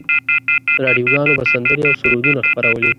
راډیوګانو به سندرې او سرودونه خپرولې.